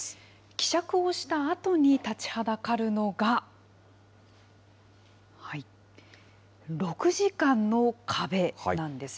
希釈をしたあとに立ちはだかるのが、６時間の壁なんです。